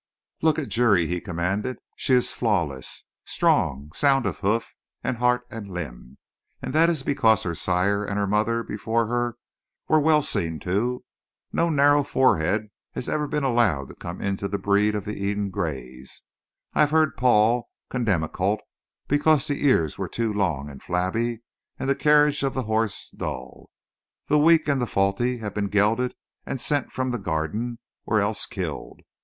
"Look at Juri," he commanded. "She is flawless, strong, sound of hoof and heart and limb. And that is because her sire and her mother before her were well seen to. No narrow forehead has ever been allowed to come into the breed of the Eden Grays. I have heard Paul condemn a colt because the very ears were too long and flabby and the carriage of the horse dull. The weak and the faulty have been gelded and sent from the Garden or else killed.